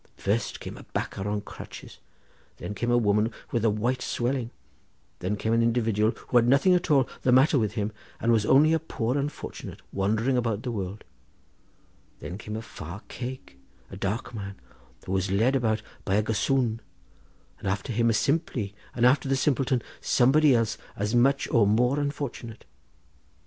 First came a bacah on crutches; then came a woman with a white swelling; then came an individual who had nothing at all the matter with him, and was only a poor unfortunate, wandering about the world; then came a far cake, a dark man, who was led about by a gossoon; after him a simpley, and after the simpleton somebody else as much or more unfortunate.